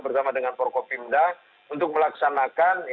bersama dengan porko pimda untuk melaksanakan